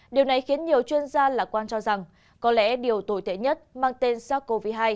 điều này khiến nhiều chuyên gia lạc quan cho rằng có lẽ điều tồi tệ nhất mang tên sars cov hai